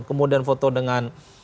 kemudian foto dengan